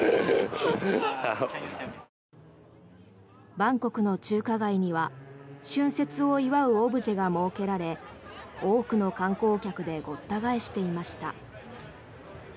バンコクの中華街には春節を祝うオブジェが設けられ多くの観光客でごった返していました。